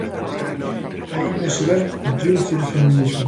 Aí vese ben o triunfo do feminismo.